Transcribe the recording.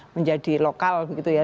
menjadi lokal gitu ya